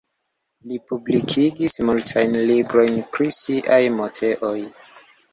Li publikigis multajn librojn pri siaj motetoj.